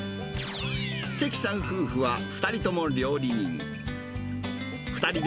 関さん夫婦は、２人とも料理人。